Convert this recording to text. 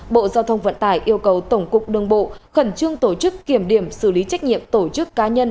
bộ giao thông vận tải yêu cầu tổng cục đương bộ khẩn trương tổ chức kiểm điểm xử lý trách nhiệm tổ chức cá nhân